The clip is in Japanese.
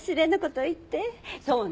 そうね。